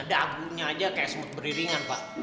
dagunya aja kayak semut beriringan pak